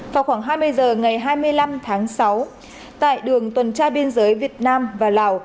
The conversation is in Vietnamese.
vào khoảng hai mươi h ngày hai mươi năm tháng sáu tại đường tuần tra biên giới việt nam và lào